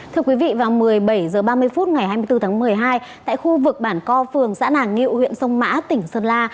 thưa quý vị vào một mươi bảy h ba mươi phút ngày hai mươi bốn tháng một mươi hai tại khu vực bản co phường xã nàng ngự huyện sông mã tỉnh sơn la